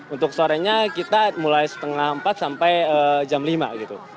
untuk sorenya kita mulai setengah empat sampai jam lima gitu